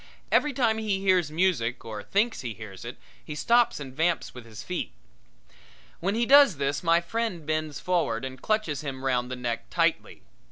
Every time he hears music or thinks he hears it he stops and vamps with his feet. When he does this my friend bends forward and clutches him round the neck tightly.